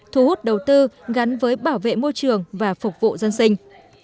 thu hút đầu tư gắn với bảo vệ môi trường và phục vụ dân sinh